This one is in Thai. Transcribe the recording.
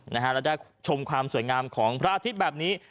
และได้ชมความสวยงามของพระอาทิตย์แบบนี้